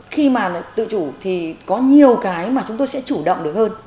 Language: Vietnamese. khi mà tự chủ thì có nhiều cái mà chúng tôi sẽ chủ động được hơn